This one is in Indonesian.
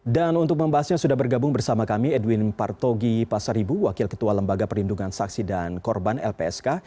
dan untuk membahasnya sudah bergabung bersama kami edwin partogi pasaribu wakil ketua lembaga perlindungan saksi dan korban lpsk